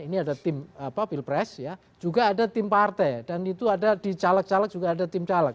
ini ada tim pilpres ya juga ada tim partai dan itu ada di caleg caleg juga ada tim caleg